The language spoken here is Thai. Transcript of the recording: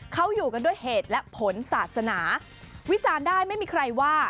เขาอยู่กันด้วยเหตุและผลศาสนาวิจารณ์ได้ไม่มีใครว่า